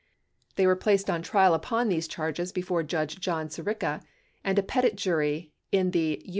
They were placed on trial upon these charges before Judge John Sirica, and a petit jury in the U.